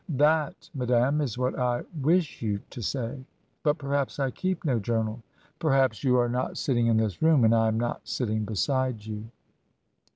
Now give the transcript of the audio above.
That, madam, is what I tmsh you to say.' 'But perhaps I keep no journal.' 'Perhaps you are nt)t sitting in this room, and I am not sitting beside you.'